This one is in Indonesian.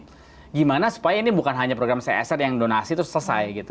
bagaimana supaya ini bukan hanya program csr yang donasi itu selesai gitu